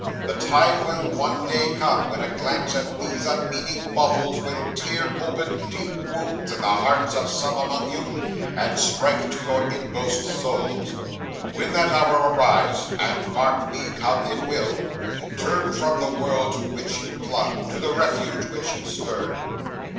The time will one day come, when a glance at those unmeaning baubles will tear open deep wounds in the hearts of some among you, and strike to your inmost souls. When that hour arrives and, mark me, come it will turn from the world to which you clung, to the refuge which you spurned.